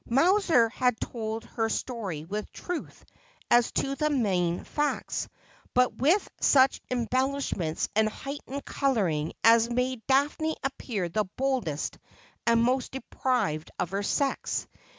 Mowser had told her story with truth as to the main facts ; but with such embellishments and heightened colouring as made Daphne appear the boldest and most depraved of her sex.